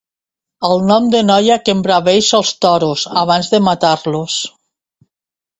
El nom de noia que embraveix els toros abans de matar-los.